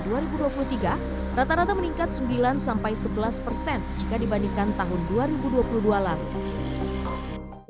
di dua ribu dua puluh tiga rata rata meningkat sembilan sebelas persen jika dibandingkan tahun dua ribu dua puluh dua lalu